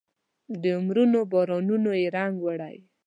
د عمرونو بارانونو یې رنګ وړی